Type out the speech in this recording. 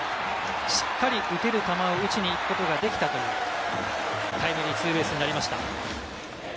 しっかり打てる球を打ちに行くことができたというタイムリーツーベースになりました。